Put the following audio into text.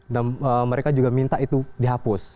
dan mereka juga minta itu dihapus